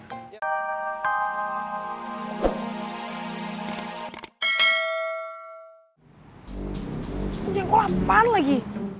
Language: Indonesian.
udah yang kelapan lagi